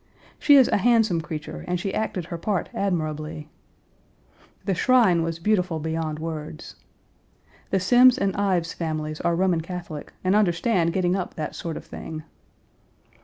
She is a handsome creature and she acted her part admirably. The shrine was beautiful beyond words. The Semmes and Ives families are Roman Catholics, and understand getting up that sort of thing.